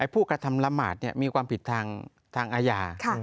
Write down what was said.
ผู้กระทำละหมาดมีความผิดทางอาญา